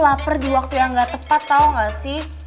lapar di waktu yang gak tepat tau gak sih